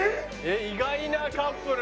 意外なカップル。